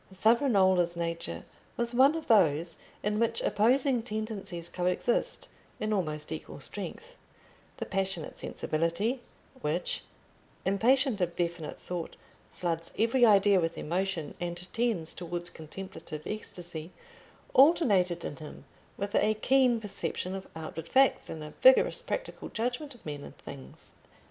Savonarola's nature was one of those in which opposing tendencies co exist in almost equal strength: the passionate sensibility which, impatient of definite thought, floods every idea with emotion and tends towards contemplative ecstasy, alternated in him with a keen perception of outward facts and a vigorous practical judgment of men and things.